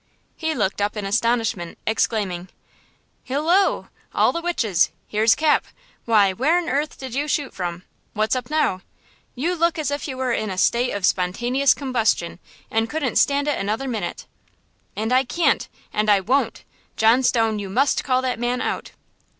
He looked up in astonishment, exclaiming: "Hilloe! All the witches! Here's Cap! Why, where on earth did you shoot from? What's up now? You look as if you were in a state of spontaneous combustion and couldn't stand it another minute." "And I can't–and I won't! John Stone, you must call that man out!"